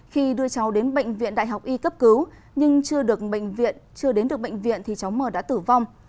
khi đưa cháu đến bệnh viện đại học y cấp cứu nhưng chưa đến được bệnh viện thì cháu mờ đã tử vong